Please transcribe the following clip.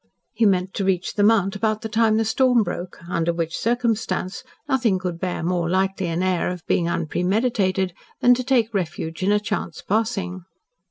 He meant to reach the Mount about the time the storm broke, under which circumstance nothing could bear more lightly an air of being unpremeditated than to take refuge in a chance passing.